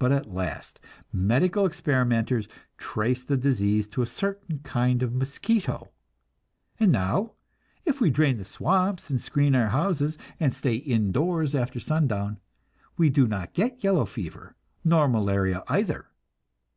But at last medical experimenters traced the disease to a certain kind of mosquito, and now, if we drain the swamps and screen our houses and stay in doors after sundown, we do not get yellow fever, nor malaria either.